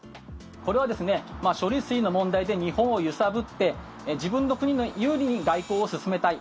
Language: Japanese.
これは処理水の問題で日本を揺さぶって自分の国に有利に外交を進めたい。